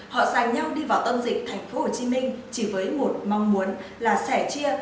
họ dành nhau đi vào âm dịch tp hcm chỉ với một mong muốn là sẻ chia